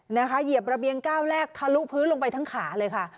เหยียบระเบียงก้าวแรกทะลุพื้นลงไปทั้งขาเลยค่ะ